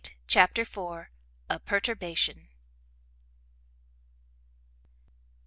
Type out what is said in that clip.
CHAPTER iv. A PERTURBATION.